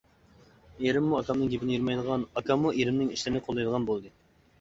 ئېرىممۇ ئاكامنىڭ گېپىنى يىرمايدىغان، ئاكاممۇ ئېرىمنىڭ ئىشلىرىنى قوللايدىغان بولدى.